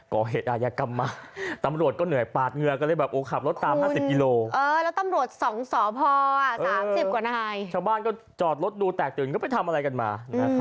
ก่อเหตุอายากรรมมา